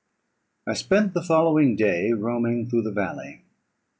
I spent the following day roaming through the valley.